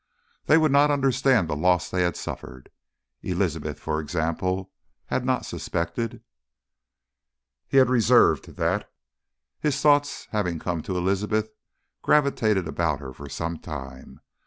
They would not understand the loss they had suffered. Elizabeth, for example, had not suspected.... He had reserved that. His thoughts having come to Elizabeth gravitated about her for some time.